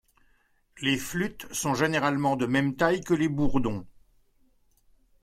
Les flûtes sont généralement de même taille que les bourdons.